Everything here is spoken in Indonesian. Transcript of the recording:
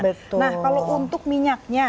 nah kalau untuk minyaknya